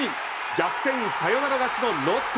逆転サヨナラ勝ちのロッテ。